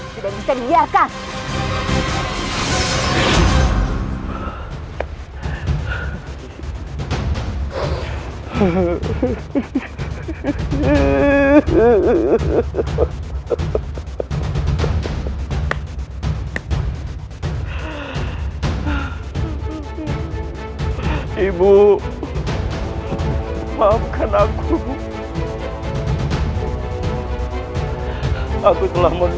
cepat kita cari semua sendikanya